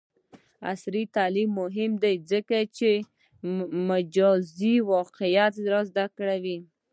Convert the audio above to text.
عصري تعلیم مهم دی ځکه چې د مجازی واقعیت زدکړه کوي.